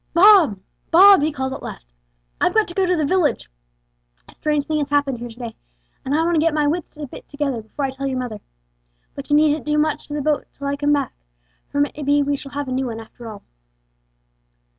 "Bob, Bob," he called at last, "I've got to go to the village. A strange thing has happened here to day, and I want to get my wits a bit together before I tell your mother. But you needn't do much to the boat till I come back, for it may be we shall have a new one after all."